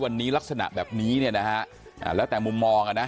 วันนี้ลักษณะแบบนี้เนี่ยนะฮะอ่าแล้วแต่มุมมองอ่ะนะ